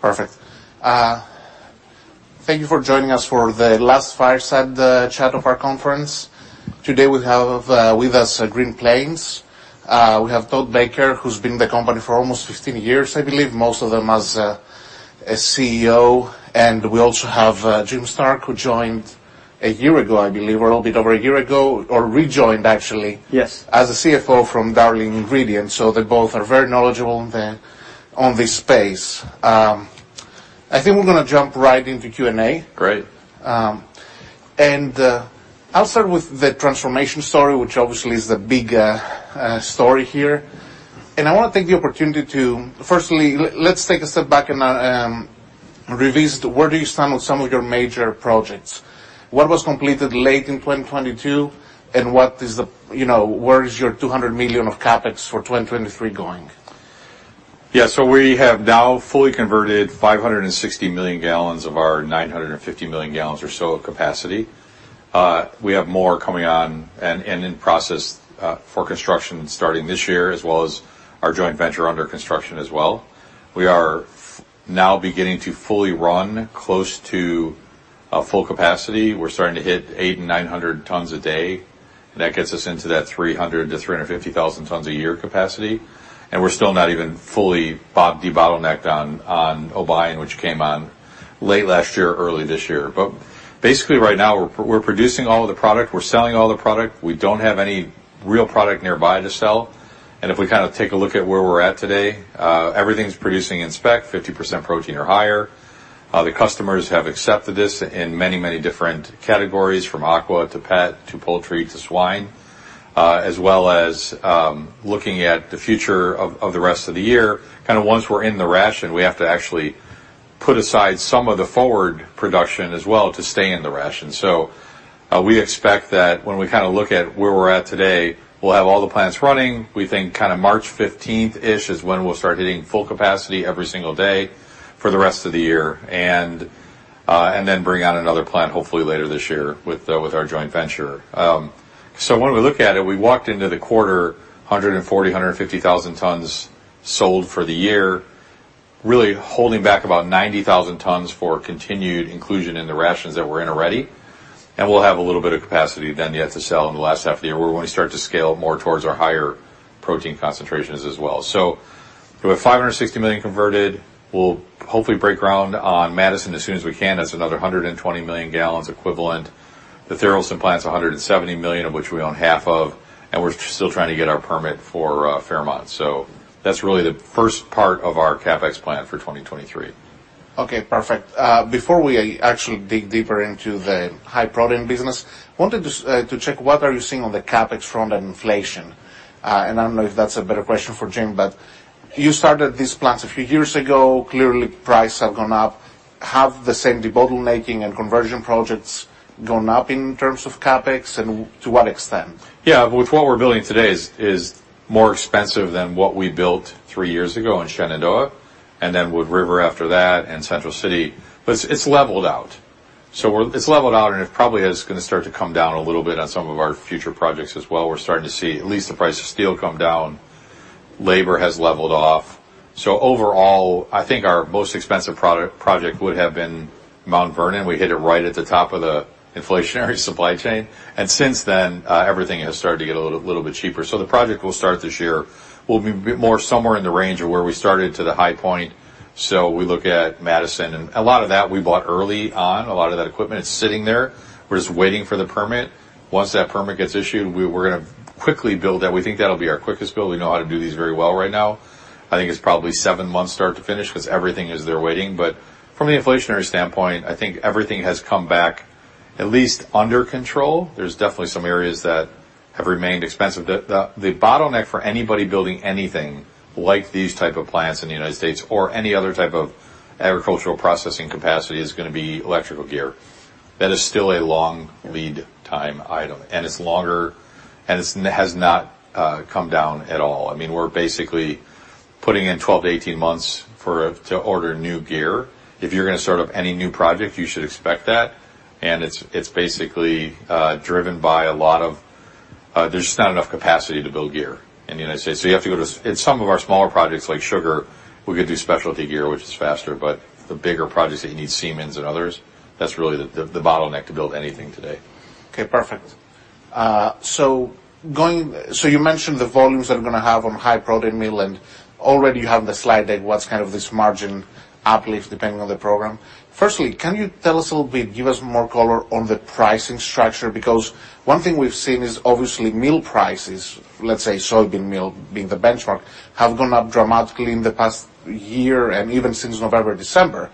Perfect. Thank you for joining us for the last fireside chat of our conference. Today, we have with us Green Plains. We have Todd Becker, who's been with the company for almost 15 years. I believe most of them as a CEO. We also have Jim Stark, who joined one year ago, I believe, or a bit over one year ago, or rejoined actually. Yes... as a CFO from Darling Ingredients. They both are very knowledgeable on this space. I think we're gonna jump right into Q&A. Great. I'll start with the transformation story, which obviously is the big story here. I want to take the opportunity to Firstly, let's take a step back and revisit where do you stand on some of your major projects? What was completed late in 2022, and what is the, you know, where is your $200 million of CapEx for 2023 going? We have now fully converted 560 million gal of our 950 million gal or so of capacity. We have more coming on and in process for construction starting this year, as well as our joint venture under construction as well. We are now beginning to fully run close to full capacity. We're starting to hit 800-900 tons a day. That gets us into that 300,000-350,000 tons a year capacity. We're still not even fully debottlenecked on Obion, which came on late last year, early this year. Basically right now we're producing all of the product, we're selling all the product. We don't have any real product nearby to sell. If we kind of take a look at where we're at today, everything's producing in spec, 50% protein or higher. The customers have accepted this in many, many different categories, from aqua to pet to poultry to swine. As well as, looking at the future of the rest of the year. Kinda once we're in the ration, we have to actually put aside some of the forward production as well to stay in the ration. We expect that when we kinda look at where we're at today, we'll have all the plants running. We think kinda March 15th-ish is when we'll start hitting full capacity every single day for the rest of the year and then bring on another plant hopefully later this year with our joint venture. When we look at it, we walked into the quarter 140,000-150,000 tons sold for the year, really holding back about 90,000 tons for continued inclusion in the rations that we're in already. We'll have a little bit of capacity then yet to sell in the last half of the year. We're gonna start to scale more towards our higher protein concentrations as well. With $560 million converted, we'll hopefully break ground on Madison as soon as we can. That's another 120 million gal equivalent. The Tharaldson plant's $170 million, of which we own half of, and we're still trying to get our permit for Fairmont. That's really the first part of our CapEx plan for 2023. Okay, perfect. Before we actually dig deeper into the high-protein business, wanted to check what are you seeing on the CapEx front and inflation. I don't know if that's a better question for Jim, but you started these plants a few years ago. Clearly, price have gone up. Have the same debottlenecking and conversion projects gone up in terms of CapEx, and to what extent? Yeah. With what we're building today is more expensive than what we built three years ago in Shenandoah, and then Wood River after that, and Central City. It's leveled out. It's leveled out, and it probably is gonna start to come down a little bit on some of our future projects as well. We're starting to see at least the price of steel come down. Labor has leveled off. Overall, I think our most expensive project would have been Mount Vernon. We hit it right at the top of the inflationary supply chain. Since then, everything has started to get a little bit cheaper. The project we'll start this year will be more somewhere in the range of where we started to the high point. We look at Madison, and a lot of that we bought early on. A lot of that equipment is sitting there. We're just waiting for the permit. Once that permit gets issued, we're gonna quickly build that. We think tsevenat'll be our quickest build. We know how to do these very well right now. I think it's probably seven months start to finish 'cause everything is there waiting. From the inflationary standpoint, I think everything has come back at least under control. There's definitely some areas that have remained expensive. The bottleneck for anybody building anything like these type of plants in the United States or any other type of agricultural processing capacity is gonna be electrical gear. That is still a long lead time item, and has not come down at all. I mean, we're basically putting in 12-18 months to order new gear. If you're gonna start up any new project, you should expect that, and it's basically driven by a lot of. There's just not enough capacity to build gear in the United States. You have to go to. In some of our smaller projects, like sugar, we could do specialty gear, which is faster, but the bigger projects that you need Siemens and others, that's really the bottleneck to build anything today. Okay, perfect. You mentioned the volumes that we're gonna have on high-protein meal, and already you have the slide deck, what's kind of this margin uplift depending on the program. Firstly, can you tell us a little bit, give us more color on the pricing structure? Because one thing we've seen is obviously meal prices, let's say soybean meal being the benchmark, have gone up dramatically in the past year and even since November, December.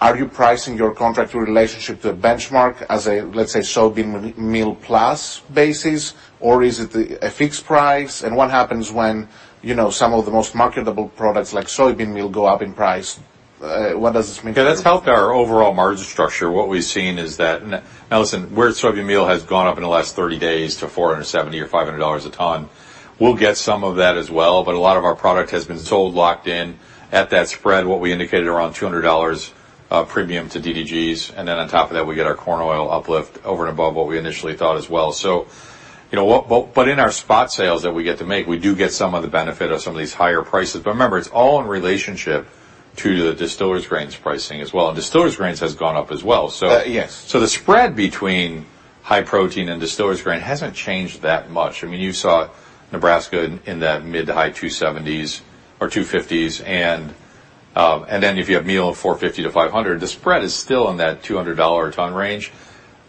Are you pricing your contractual relationship to a benchmark as a, let's say, soybean meal plus basis, or is it a fixed price? What happens when, you know, some of the most marketable products like soybean meal go up in price? What does this mean to you? Yeah. That's helped our overall margin structure. What we've seen is that. Now listen, where soybean meal has gone up in the last 30 days to $470 or $500 a ton, we'll get some of that as well, but a lot of our product has been sold locked in at that spread, what we indicated around $200 premium to DDGS. On top of that, we get our corn oil uplift over and above what we initially thought as well. You know, what but in our spot sales that we get to make, we do get some of the benefit of some of these higher prices. Remember, it's all in relationship to the distillers grains pricing as well. Distillers grains has gone up as well. Yes. The spread between high protein and distillers grains hasn't changed that much. I mean, you saw Nebraska in the mid to high 270s or 250s. If you have meal of $450-$500, the spread is still in that $200 a ton range.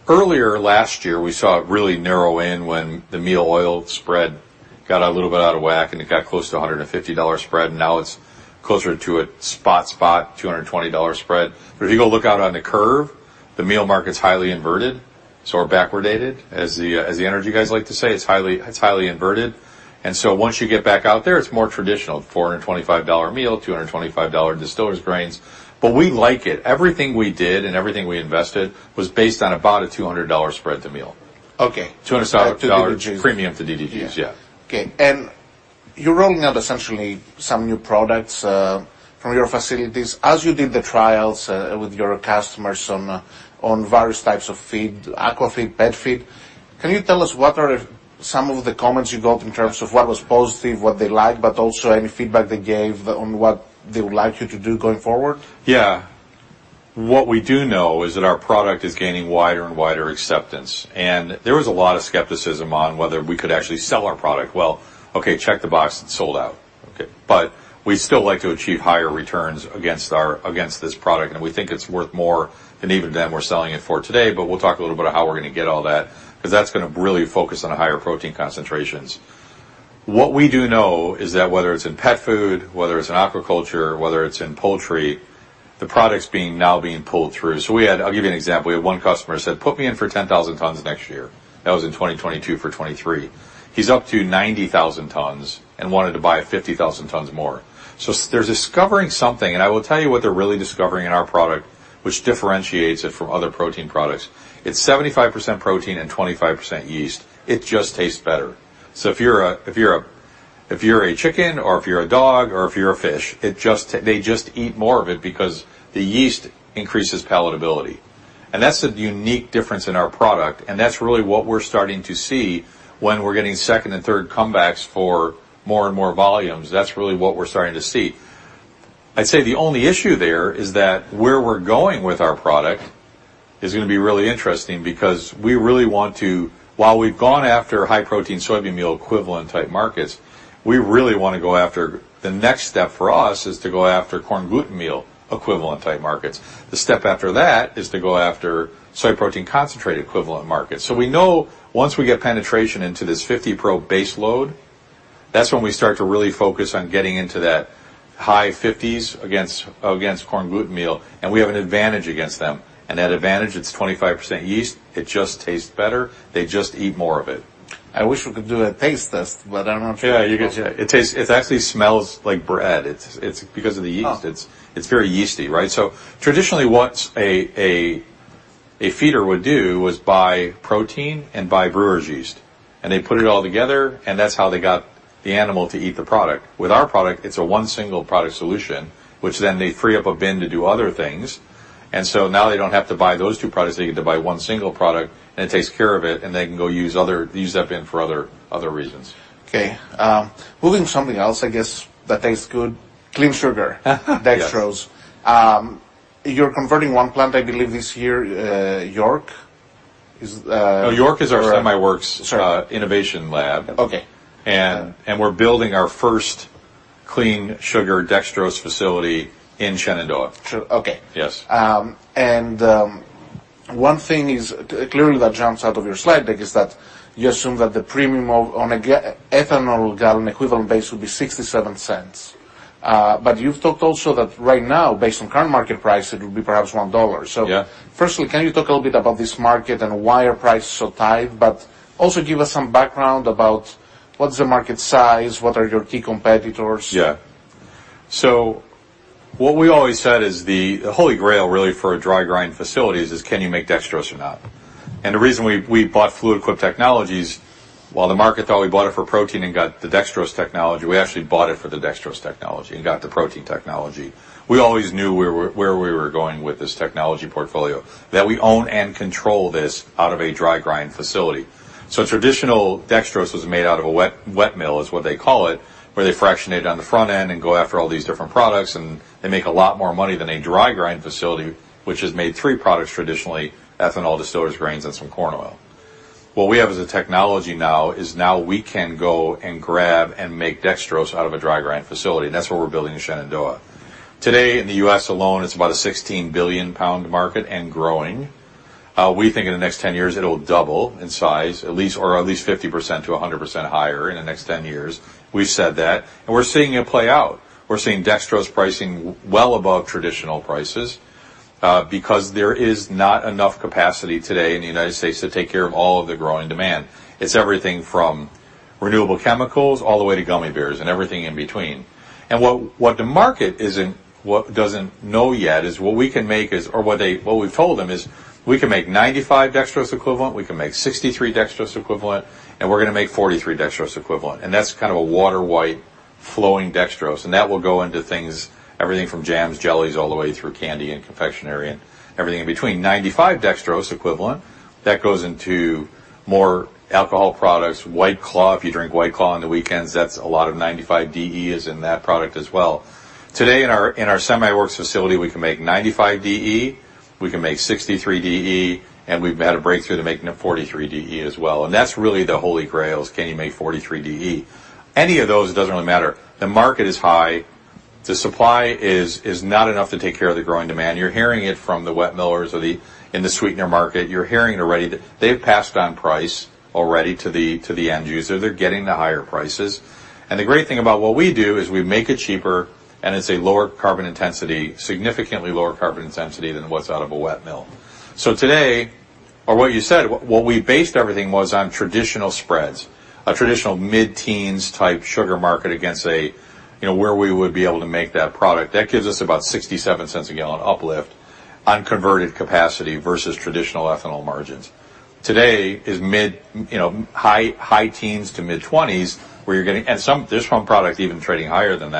Earlier last year, we saw it really narrow in when the meal oil spread got a little bit out of whack, and it got close to a $150 spread. Now it's closer to a spot $220 spread. The meal market's highly inverted. As the energy guys like to say, it's highly inverted. Once you get back out there, it's more traditional, $425 meal, $225 distillers grains. We like it. Everything we did and everything we invested was based on about a $200 spread to meal. Okay. $200 dollar- To DDGS. premium to DDGs. Yeah. Okay. You're rolling out essentially some new products from your facilities. As you did the trials with your customers on various types of feed, aqua feed, pet feed, can you tell us what are some of the comments you got in terms of what was positive, what they liked, but also any feedback they gave on what they would like you to do going forward? Yeah. What we do know is that our product is gaining wider and wider acceptance. There was a lot of skepticism on whether we could actually sell our product. Well, okay, check the box. It's sold out. Okay. We still like to achieve higher returns against this product, and we think it's worth more than even than we're selling it for today, but we'll talk a little bit of how we're gonna get all that 'cause that's gonna really focus on the higher protein concentrations. What we do know is that whether it's in pet food, whether it's in aquaculture, whether it's in poultry, the product's now being pulled through. I'll give you an example. We had one customer who said, "Put me in for 10,000 tons next year." That was in 2022 for 2023. He's up to 90,000 tons and wanted to buy 50,000 tons more. They're discovering something, and I will tell you what they're really discovering in our product, which differentiates it from other protein products. It's 75% protein and 25% yeast. It just tastes better. If you're a chicken or if you're a dog or if you're a fish, they just eat more of it because the yeast increases palatability. That's a unique difference in our product, and that's really what we're starting to see when we're getting second and third comebacks for more and more volumes. That's really what we're starting to see. I'd say the only issue there is that where we're going with our product is gonna be really interesting because we really want to, While we've gone after high protein soybean meal equivalent type markets, we really wanna go after. The next step for us is to go after corn gluten meal equivalent type markets. The step after that is to go after soy protein concentrate equivalent markets. We know once we get penetration into this 50 Pro base load, that's when we start to really focus on getting into that high fifties against corn gluten meal. We have an advantage against them. That advantage, it's 25% yeast. It just tastes better. They just eat more of it. I wish we could do a taste test, but I'm not sure. Yeah, you could... It actually smells like bread. It's because of the yeast. Oh. It's very yeasty, right? Traditionally, what a feeder would do is buy protein and buy brewer's yeast, and they put it all together, and that's how they got the animal to eat the product. With our product, it's a one single product solution, which then they free up a bin to do other things. Now they don't have to buy those two products. They get to buy one single product, and it takes care of it, and they can go use that bin for other reasons. Moving to something else, I guess, that tastes good. Clean sugar. Yes. Dextrose. You're converting one plant, I believe, this year. York is, No, York is our SemiWorks. Sorry... innovation lab. Okay. We're building our first clean sugar dextrose facility in Shenandoah. Sure. Okay. Yes. One thing is clearly that jumps out of your slide deck is that you assume that the premium on an ethanol gal equivalent base will be $0.67. You've talked also that right now, based on current market price, it would be perhaps $1. Yeah. Firstly, can you talk a little bit about this market and why are prices so tight, but also give us some background about what is the market size? What are your key competitors? What we always said is the holy grail really for a dry grind facilities is, can you make dextrose or not? The reason we bought Fluid Quip Technologies, while the market thought we bought it for protein and got the dextrose technology, we actually bought it for the dextrose technology and got the protein technology. We always knew where we were going with this technology portfolio, that we own and control this out of a dry grind facility. Traditional dextrose was made out of a wet mill is what they call it, where they fractionate it on the front end and go after all these different products, and they make a lot more money than a dry grind facility, which has made three products traditionally, ethanol, distillers grains, and some corn oil. What we have as a technology now is now we can go and grab and make dextrose out of a dry grind facility. That's what we're building in Shenandoah. Today, in the U.S. alone, it's about a 16 billion pound market and growing. We think in the next 10 years it'll double in size at least or at least 50%-100% higher in the next 10 years. We've said that, and we're seeing it play out. We're seeing dextrose pricing well above traditional prices, because there is not enough capacity today in the United States to take care of all of the growing demand. It's everything from renewable chemicals all the way to gummy bears and everything in between. What the market doesn't know yet is what we can make is what we've told them is we can make 95 dextrose equivalent, we can make 63 dextrose equivalent, and we're gonna make 43 dextrose equivalent, and that's kind of a water white flowing dextrose. That will go into things, everything from jams, jellies, all the way through candy and confectionery and everything in between. 95 dextrose equivalent, that goes into more alcohol products. White Claw, if you drink White Claw on the weekends, that's a lot of 95 DE is in that product as well. Today, in our SemiWorks facility, we can make 95 DE, we can make 63 DE, and we've had a breakthrough to making a 43 DE as well. That's really the Holy Grail, is can you make 43 DE? Any of those, it doesn't really matter. The market is high. The supply is not enough to take care of the growing demand. You're hearing it from the wet millers in the sweetener market. You're hearing it already. They've passed on price already to the end user. They're getting the higher prices. The great thing about what we do is we make it cheaper and it's a lower carbon intensity, significantly lower carbon intensity than what's out of a wet mill. What you said, what we based everything was on traditional spreads. A traditional mid-teens type sugar market against a, you know, where we would be able to make that product. That gives us about $0.67 a gal uplift on converted capacity versus traditional ethanol margins. Today is mid, you know, high teens to mid-20s where you're getting... There's some products even trading higher than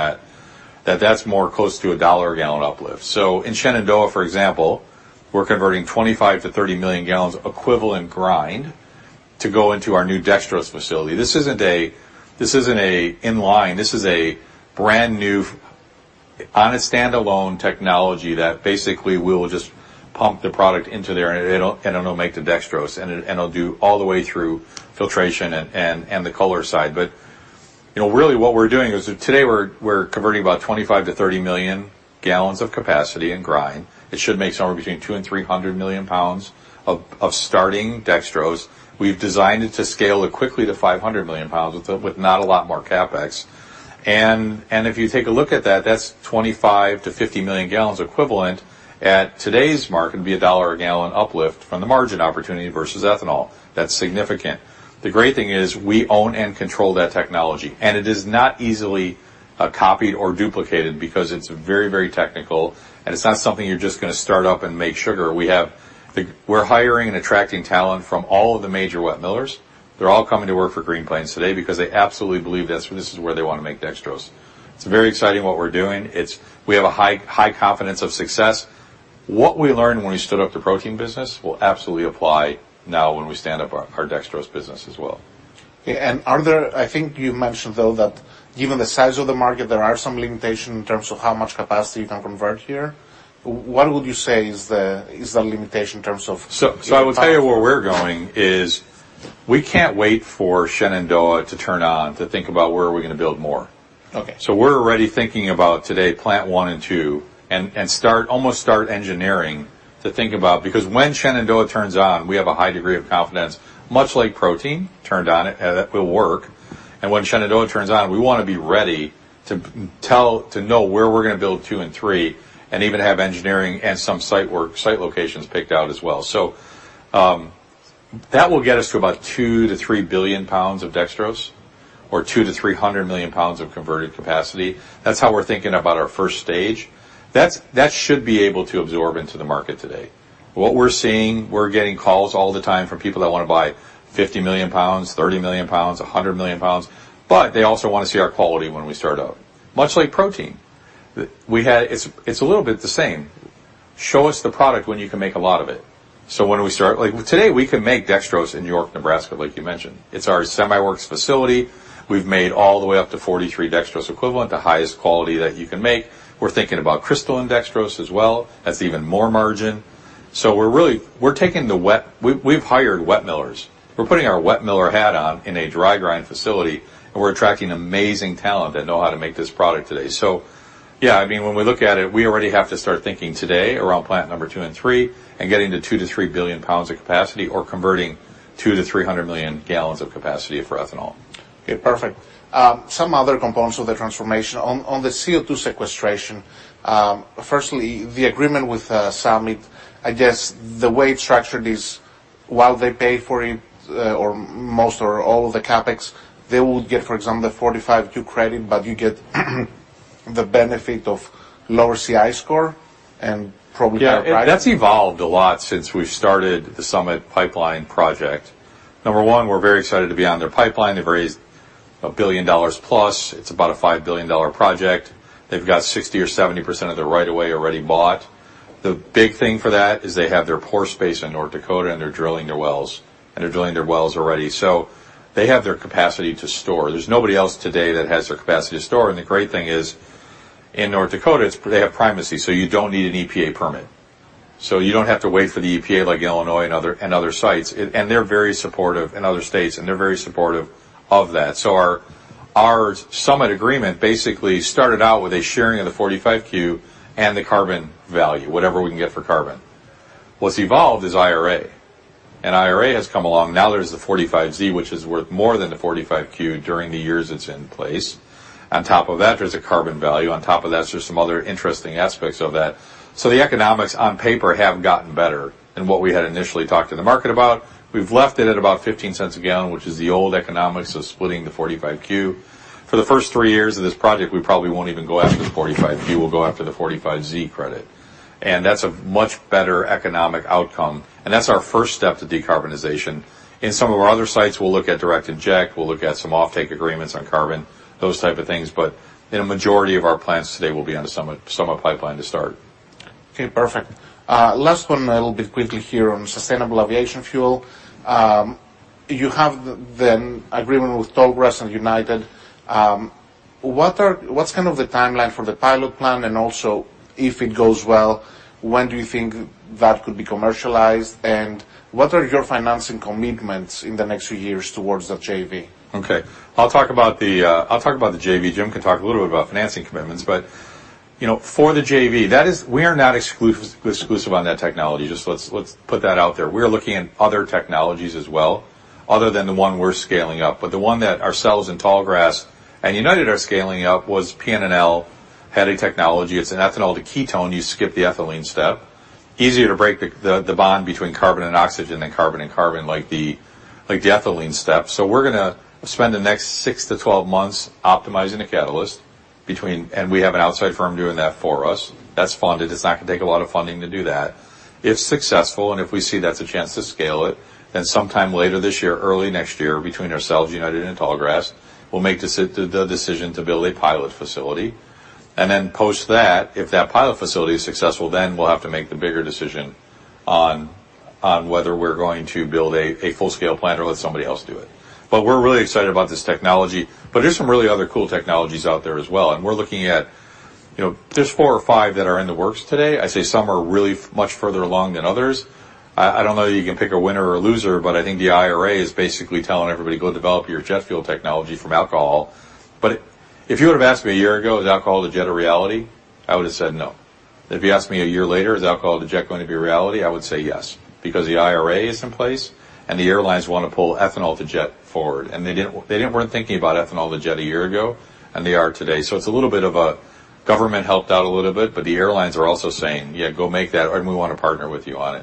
that's more close to a $1 a gal uplift. In Shenandoah, for example, we're converting 25 to 30 million gal equivalent grind to go into our new dextrose facility. This isn't a inline. This is a brand-new on a standalone technology that basically we'll just pump the product into there and it'll make the dextrose. It'll do all the way through filtration and the color side. You know, really what we're doing is today we're converting about 25-30 million gal of capacity in grind. It should make somewhere between two and 300 million lbs of starting dextrose. We've designed it to scale it quickly to 500 million lbs with not a lot more CapEx. If you take a look at that's 25 million-50 million gal equivalent. At today's market, it'd be a $1 a gal uplift from the margin opportunity versus ethanol. That's significant. The great thing is we own and control that technology, and it is not easily copied or duplicated because it's very, very technical, and it's not something you're just gonna start up and make sugar. We're hiring and attracting talent from all of the major wet millers. They're all coming to work for Green Plains today because they absolutely believe that this is where they wanna make dextrose. It's very exciting what we're doing. We have a high, high confidence of success. What we learned when we stood up the protein business will absolutely apply now when we stand up our dextrose business as well. Yeah. Are there... I think you mentioned though that given the size of the market, there are some limitation in terms of how much capacity you can convert here. What would you say is the limitation in terms of... I will tell you where we're going is we can't wait for Shenandoah to turn on to think about where are we gonna build more. Okay. We're already thinking about today plant one and two and start, almost start engineering to think about. When Shenandoah turns on, we have a high degree of confidence, much like protein turned on, and that will work. When Shenandoah turns on, we wanna be ready to know where we're gonna build two and three, and even have engineering and some site work, site locations picked out as well. That will get us to about 2 billion-3 billion lbs of dextrose or 200 million-300 million lbs of converted capacity. That's how we're thinking about our first stage. That's, that should be able to absorb into the market today. What we're seeing, we're getting calls all the time from people that wanna buy 50 million lbs, 30 million lbs, 100 million lbs, but they also wanna see our quality when we start out. Much like protein. It's a little bit the same. "Show us the product when you can make a lot of it." When do we start? Like, today, we can make dextrose in York, Nebraska, like you mentioned. It's our semi-works facility. We've made all the way up to 43 dextrose equivalent, the highest quality that you can make. We're thinking about crystalline dextrose as well. That's even more margin. We're really, we're taking the wet... We've hired wet millers. We're putting our wet miller hat on in a dry grind facility, and we're attracting amazing talent that know how to make this product today. Yeah, I mean, when we look at it, we already have to start thinking today around plant number two and three and getting to 2 billion-3 billion lbs of capacity or converting 200 million-300 million gal of capacity for ethanol. Okay, perfect. Some other components of the transformation. On the CO2 sequestration, firstly, the agreement with Summit, I guess the way it's structured is while they pay for it, or most or all of the CapEx, they will get, for example, the 45Q credit, but you get the benefit of lower CI score and probably... Yeah. That's evolved a lot since we've started the Summit Pipeline Project. Number one, we're very excited to be on their pipeline. They've raised $1 billion plus. It's about a $5 billion project. They've got 60% or 70% of the right of way already bought. The big thing for that is they have their pore space in North Dakota, and they're drilling their wells already. They have their capacity to store. There's nobody else today that has their capacity to store. The great thing is in North Dakota, they have primacy, so you don't need an EPA permit. You don't have to wait for the EPA like Illinois and other sites. They're very supportive in other states, and they're very supportive of that. Our Summit agreement basically started out with a sharing of the 45Q and the carbon value, whatever we can get for carbon. What's evolved is IRA, and IRA has come along. There's the 45Z, which is worth more than the 45Q during the years it's in place. On top of that, there's a carbon value. On top of that, there's some other interesting aspects of that. The economics on paper have gotten better than what we had initially talked to the market about. We've left it at about $0.15 a gal, which is the old economics of splitting the 45Q. For the first three years of this project, we probably won't even go after the 45Q. We'll go after the 45Z credit. That's a much better economic outcome, and that's our first step to decarbonization. In some of our other sites, we'll look at direct inject, we'll look at some offtake agreements on carbon, those type of things. In a majority of our plants today will be on the Summit Pipeline to start. Okay, perfect. last one a little bit quickly here on sustainable aviation fuel. you have the agreement with Tallgrass and United. what's kind of the timeline for the pilot plan? If it goes well, when do you think that could be commercialized? What are your financing commitments in the next few years towards that JV? Okay. I'll talk about the, I'll talk about the JV. Jim can talk a little bit about financing commitments, but, you know, for the JV, we are not exclusive on that technology. Just let's put that out there. We're looking at other technologies as well other than the one we're scaling up. The one that ourselves and Tallgrass and United are scaling up was PNNL had a technology. It's an ethanol-to-ketone. You skip the ethylene step. Easier to break the bond between carbon and oxygen than carbon and carbon like the ethylene step. We're gonna spend the next 6-12 months optimizing a catalyst between... We have an outside firm doing that for us. That's funded. It's not gonna take a lot of funding to do that. If successful, and if we see that's a chance to scale it, then sometime later this year, early next year, between ourselves, United, and Tallgrass, we'll make the decision to build a pilot facility. And then post that, if that pilot facility is successful, then we'll have to make the bigger decision on whether we're going to build a full-scale plant or let somebody else do it. But we're really excited about this technology. But there's some really other cool technologies out there as well. And we're looking at, you know, just four or five that are in the works today. I'd say some are really much further along than others. I don't know that you can pick a winner or a loser, I think the IRA is basically telling everybody, "Go develop your jet fuel technology from alcohol." If you would've asked me a year ago, "Is alcohol-to-jet a reality?" I would've said no. If you asked me a year later, "Is alcohol-to-jet going to be a reality?" I would say yes, because the IRA is in place, and the airlines wanna pull ethanol to jet forward. They weren't thinking about ethanol to jet a year ago, They are today. It's a little bit of a government helped out a little bit, the airlines are also saying, "Yeah, go make that, and we wanna partner with you on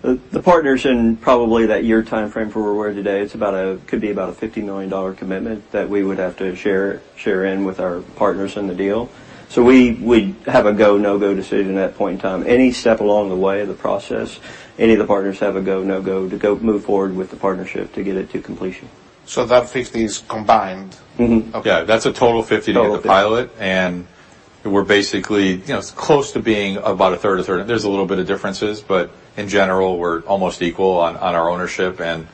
it. The partners in probably that year timeframe from where we're today, it could be about a $50 million commitment that we would have to share in with our partners in the deal. We have a go, no-go decision at that point in time. Any step along the way of the process, any of the partners have a go, no-go to go move forward with the partnership to get it to completion. That 50 is combined? Mm-hmm. Okay. Yeah. That's a total $50 to get the pilot. Total, yeah. We're basically, you know, close to being about a third, a third. There's a little bit of differences, but in general, we're almost equal on our ownership and.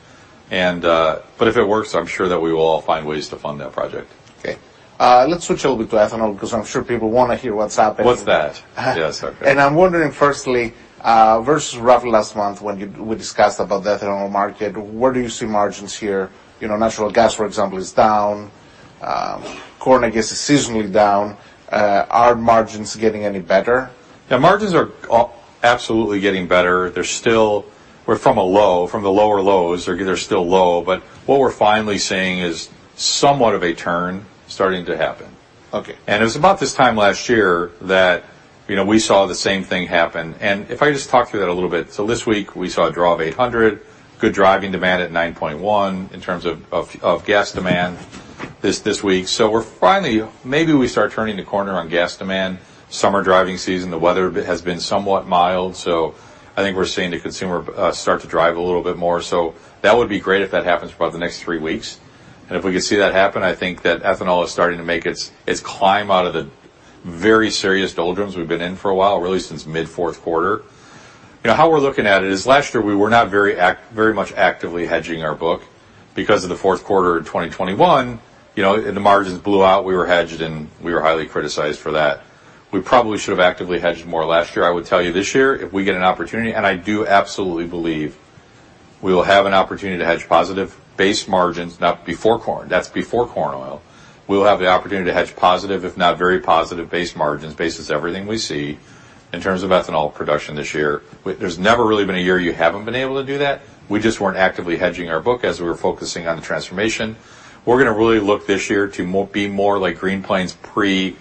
If it works, I'm sure that we will all find ways to fund that project. Okay. Let's switch a little bit to ethanol because I'm sure people wanna hear what's happening. What's that? Yes, okay. I'm wondering firstly, versus roughly last month when we discussed about the ethanol market, where do you see margins here? You know, natural gas, for example, is down. corn, I guess, is seasonally down. are margins getting any better? The margins are absolutely getting better. They're still. We're from a low, from the lower lows. They're still low. What we're finally seeing is somewhat of a turn starting to happen. Okay. It's about this time last year that, you know, we saw the same thing happen. This week we saw a draw of 800, good driving demand at nine point one in terms of gas demand this week. We're finally... maybe we start turning the corner on gas demand. Summer driving season, the weather has been somewhat mild, so I think we're seeing the consumer start to drive a little bit more. That would be great if that happens throughout the next three weeks. If we could see that happen, I think that ethanol is starting to make its climb out of the very serious doldrums we've been in for a while, really since mid fourth quarter. You know, how we're looking at it is last year we were not very much actively hedging our book because of the fourth quarter in 2021. You know, the margins blew out. We were hedged, and we were highly criticized for that. We probably should have actively hedged more last year. I would tell you this year, if we get an opportunity, and I do absolutely believe we will have an opportunity to hedge positive base margins, not before corn. That's before corn oil. We'll have the opportunity to hedge positive, if not very positive base margins. Base is everything we see in terms of ethanol production this year. There's never really been a year you haven't been able to do that. We just weren't actively hedging our book as we were focusing on the transformation. We're gonna really look this year to be more like Green Plains pre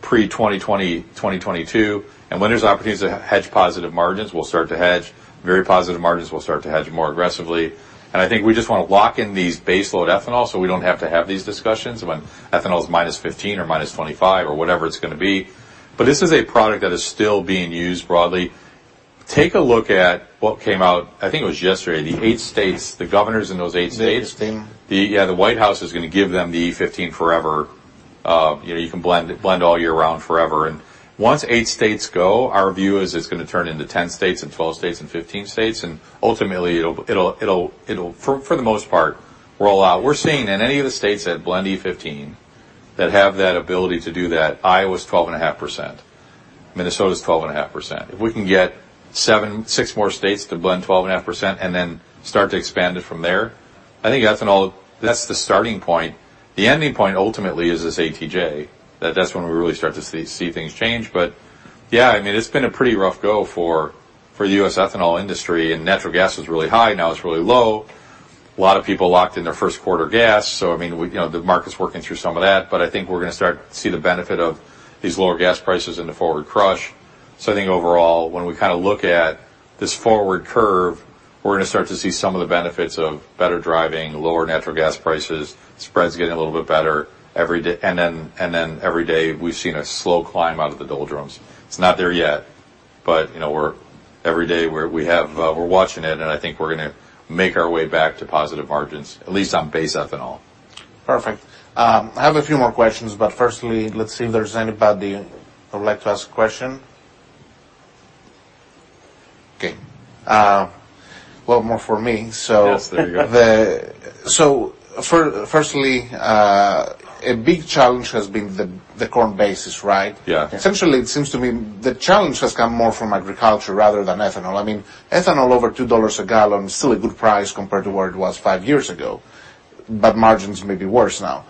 2020, 2022. When there's opportunities to hedge positive margins, we'll start to hedge. Very positive margins, we'll start to hedge more aggressively. I think we just wanna lock in these base load ethanol, so we don't have to have these discussions when ethanol is -15 or -25 or whatever it's gonna be. This is a product that is still being used broadly. Take a look at what came out, I think it was yesterday, the eight states, the governors in those eight states. Interesting. Yeah, the White House is gonna give them the E15 forever. you know, you can blend all year round forever. Once eight states go, our view is it's gonna turn into 10 states and 12 states and 15 states. Ultimately it'll for the most part roll out. We're seeing in any of the states that blend E15, that have that ability to do that, Iowa's 12.5%. Minnesota's 12.5%. If we can get seven, six more states to blend 12.5% and then start to expand it from there, I think ethanol, that's the starting point. The ending point ultimately is this ATJ. That's when we really start to see things change. Yeah, I mean, it's been a pretty rough go for U.S. ethanol industry and natural gas was really high, now it's really low. A lot of people locked in their first quarter gas. I mean, we, you know, the market's working through some of that, but I think we're gonna start to see the benefit of these lower gas prices in the forward crush. I think overall, when we kind of look at this forward curve, we're gonna start to see some of the benefits of better driving, lower natural gas prices, spreads getting a little bit better every day, and then every day we've seen a slow climb out of the doldrums. It's not there yet. You know, every day we're watching it and I think we're gonna make our way back to positive margins, at least on base ethanol. Perfect. I have a few more questions, but firstly, let's see if there's anybody who would like to ask a question. Okay. one more for me. Yes, there you go. Firstly, a big challenge has been the corn basis, right? Yeah. Essentially, it seems to me the challenge has come more from agriculture rather than ethanol. I mean, ethanol over $2 a gal is still a good price compared to where it was five years ago. Margins may be worse now.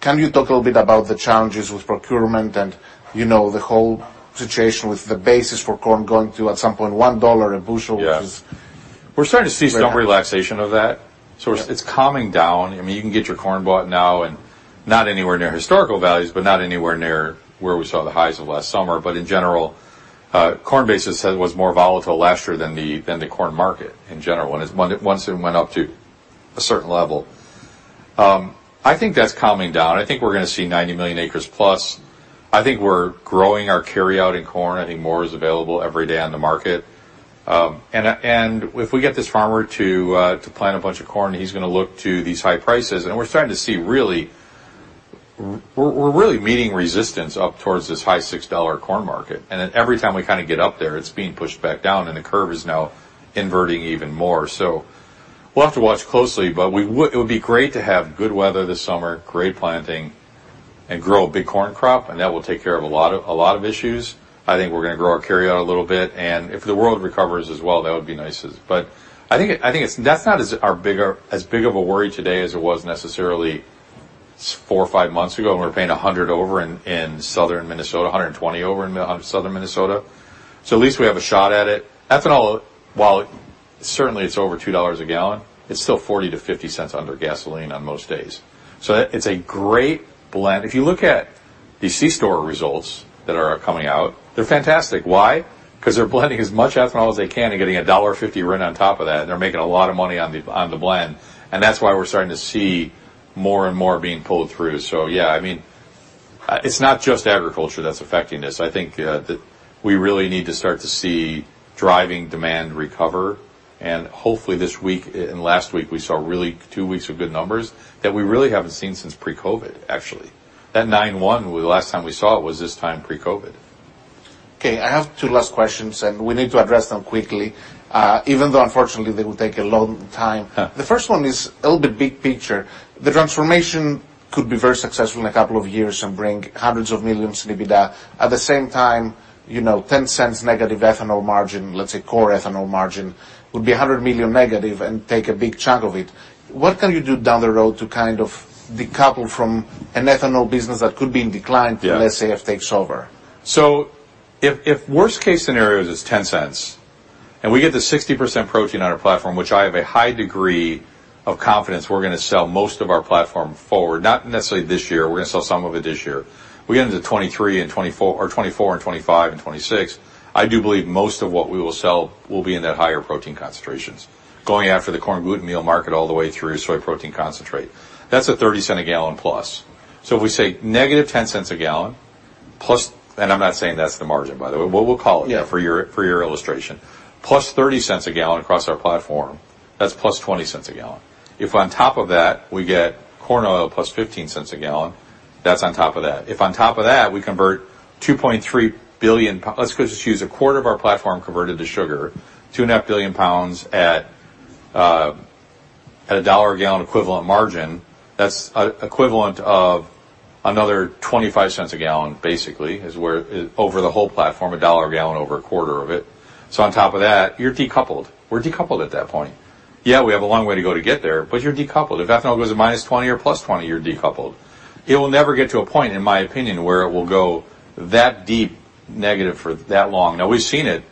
Can you talk a little bit about the challenges with procurement and, you know, the whole situation with the basis for corn going to at some point $1 a bushel? Yes which is- We're starting to see some relaxation of that. Yeah. It's calming down. I mean, you can get your corn bought now and not anywhere near historical values, but not anywhere near where we saw the highs of last summer. In general, corn basis was more volatile last year than the corn market in general once it went up to a certain level. I think that's calming down. I think we're gonna see 90 million acres plus. I think we're growing our carryout in corn. I think more is available every day on the market. If we get this farmer to plant a bunch of corn, he's gonna look to these high prices. We're starting to see really... We're really meeting resistance up towards this high $6 corn market. Every time we kind of get up there, it's being pushed back down and the curve is now inverting even more. We'll have to watch closely, but it would be great to have good weather this summer, great planting, and grow a big corn crop, and that will take care of a lot of issues. I think we're gonna grow our carryout a little bit, and if the world recovers as well, that would be nice. I think that's not as big of a worry today as it was necessarily four or five months ago when we were paying $100 over in Southern Minnesota, $120 over in Southern Minnesota. At least we have a shot at it. Ethanol, while certainly it's over $2 a gal, it's still $0.40-$0.50 under gasoline on most days. It's a great blend. If you look at the C-store results that are coming out, they're fantastic. Why? 'Cause they're blending as much ethanol as they can and getting a $1.50 rent on top of that, and they're making a lot of money on the blend. That's why we're starting to see more and more being pulled through. Yeah, I mean, it's not just agriculture that's affecting this. I think, we really need to start to see driving demand recover. Hopefully this week, and last week, we saw really two weeks of good numbers that we really haven't seen since pre-COVID, actually. That nine one, the last time we saw it was this time pre-COVID. Okay, I have two last questions, and we need to address them quickly, even though unfortunately they will take a long time. Yeah. The first one is a little bit big picture. The transformation could be very successful in a couple of years and bring hundreds of millions in EBITDA. At the same time, you know, $0.10 negative ethanol margin, let's say core ethanol margin, would be $100 million negative and take a big chunk of it. What can you do down the road to kind of decouple from an ethanol business that could be in decline? Yeah ...unless AF takes over? If, if worst case scenario is it's $0.10 and we get the 60% protein on our platform, which I have a high degree of confidence we're gonna sell most of our platform forward. Not necessarily this year. We're gonna sell some of it this year. We get into 2023 and 2024 or 2024 and 2025 and 2026, I do believe most of what we will sell will be in the higher protein concentrations, going after the corn gluten meal market all the way through soy protein concentrate. That's a $0.30 a gal plus. If we say -$0.10 a gal plus. I'm not saying that's the margin, by the way. We'll, we'll call it. Yeah ...for your, for your illustration. Plus $0.30 a gal across our platform, that's plus $0.20 a gal. If on top of that we get corn oil plus $0.15 a gal, that's on top of that. If on top of that we convert a quarter of our platform converted to sugar. 2.5 billion lbs at a $1 a gal equivalent margin. That's equivalent of another $0.25 a gal basically over the whole platform, $1 a gal over a quarter of it. On top of that, you're decoupled. We're decoupled at that point. Yeah, we have a long way to go to get there, you're decoupled. If ethanol goes to -20 or +20, you're decoupled. It will never get to a point, in my opinion, where it will go that deep negative for that long. Now we've seen it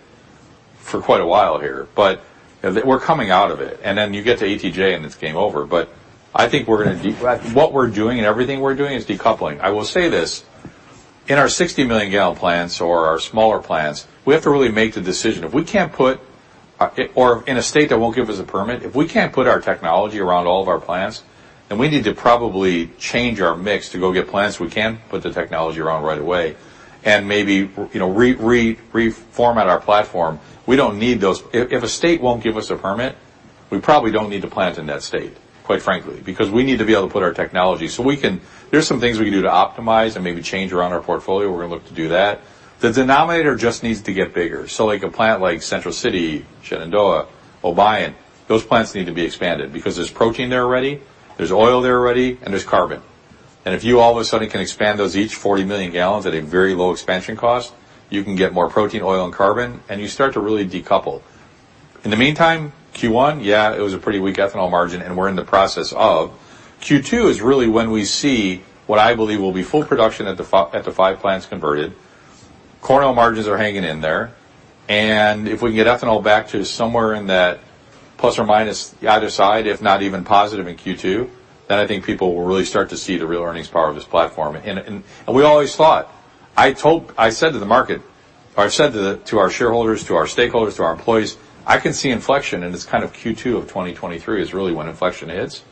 for quite a while here, we're coming out of it. You get to ETJ, and it's game over. I think we're gonna. Right. What we're doing and everything we're doing is decoupling. I will say this. In our 60 million gal plants or our smaller plants, we have to really make the decision. Or in a state that won't give us a permit, if we can't put our technology around all of our plants, then we need to probably change our mix to go get plants we can put the technology around right away and maybe, you know, reformat our platform. We don't need those. If a state won't give us a permit, we probably don't need to plant in that state, quite frankly. Because we need to be able to put our technology. There's some things we can do to optimize and maybe change around our portfolio. We're gonna look to do that. The denominator just needs to get bigger. Like a plant like Central City, Shenandoah, Obion, those plants need to be expanded because there's protein there already, there's oil there already, and there's carbon. If you all of a sudden can expand those each 40 million gal at a very low expansion cost, you can get more protein, oil, and carbon, and you start to really decouple. In the meantime, Q1, yeah, it was a pretty weak ethanol margin. Q2 is really when we see what I believe will be full production at the five plants converted. Corn oil margins are hanging in there. If we can get ethanol back to somewhere in that plus or minus either side, if not even positive in Q2, then I think people will really start to see the real earnings power of this platform. We always thought I said to the market, or I said to our shareholders, to our stakeholders, to our employees, "I can see inflection," and it's kind of Q2 of 2023 is really when inflection hits.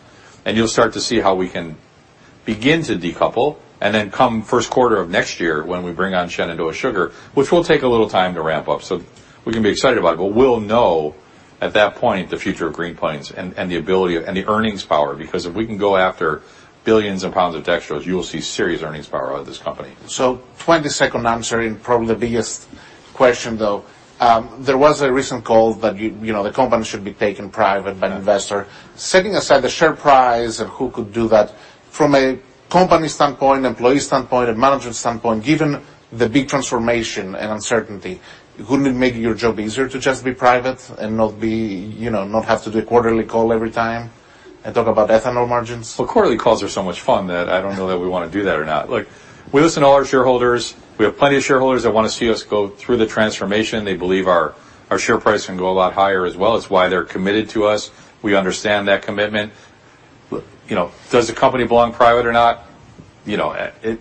You'll start to see how we can begin to decouple, come first quarter of next year when we bring on Shenandoah Sugar, which will take a little time to ramp up. We can be excited about it. We'll know at that point the future of Green Plains and the ability and the earnings power. If we can go after billions of lbs of dextrose, you will see serious earnings power out of this company. 22nd answer, and probably the biggest question though, there was a recent call that, you know, the company should be taken private by an investor. Setting aside the share price and who could do that, from a company standpoint, employee standpoint, and management standpoint, given the big transformation and uncertainty, wouldn't it make your job easier to just be private and not be, you know, not have to do a quarterly call every time and talk about ethanol margins? Quarterly calls are so much fun that I don't know that we wanna do that or not. We listen to all our shareholders. We have plenty of shareholders that wanna see us go through the transformation. They believe our share price can go a lot higher as well. It's why they're committed to us. We understand that commitment. You know, does the company belong private or not? You know, it,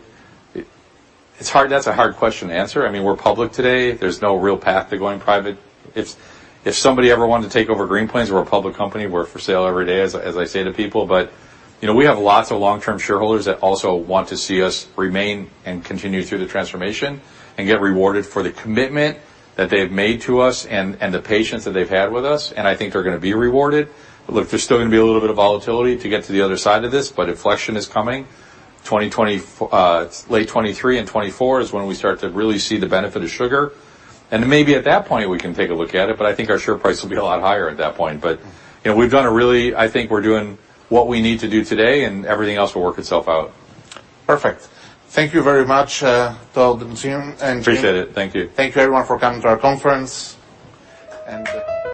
it's hard. That's a hard question to answer. I mean, we're public today. There's no real path to going private. If, if somebody ever wanted to take over Green Plains, we're a public company, we're for sale every day, as I, as I say to people. you know, we have lots of long-term shareholders that also want to see us remain and continue through the transformation and get rewarded for the commitment that they've made to us and the patience that they've had with us, and I think they're gonna be rewarded. Look, there's still gonna be a little bit of volatility to get to the other side of this, but inflection is coming. late 2023 and 2024 is when we start to really see the benefit of sugar. maybe at that point we can take a look at it, but I think our share price will be a lot higher at that point. you know, we've done I think we're doing what we need to do today, and everything else will work itself out. Perfect. Thank you very much, Todd and Jim. Appreciate it. Thank you. Thank you everyone for coming to our conference.